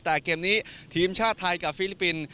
แต่เกมนี้ทีมชาติไทยกับฟิลิปปินส์